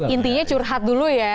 intinya curhat dulu ya